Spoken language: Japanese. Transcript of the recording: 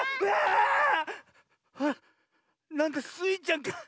あっなんだスイちゃんか。